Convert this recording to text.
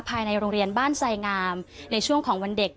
ภายในโรงเรียนบ้านไสงามในช่วงของวันเด็ก